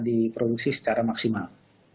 diproduksi secara maksimal